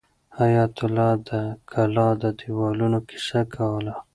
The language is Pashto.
حیات الله د کلا د دیوالونو کیسه کوله.